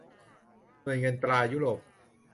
หน่วยเงินตรายุโรป